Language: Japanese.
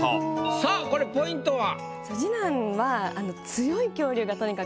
さあこれポイントは？